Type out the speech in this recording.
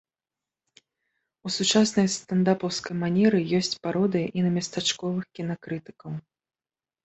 У сучаснай стандапаўскай манеры ёсць пародыя і на местачковых кінакрытыкаў.